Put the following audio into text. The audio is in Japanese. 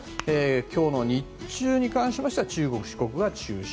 今日の日中に関しては中国、四国が中心。